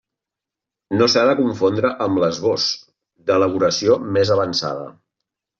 No s'ha de confondre amb l'esbós, d'elaboració més avançada.